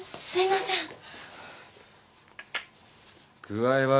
すいません。